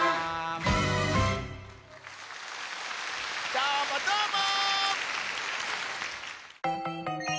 どーもどーも！